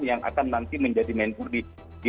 yang akan nanti menjadi menpor di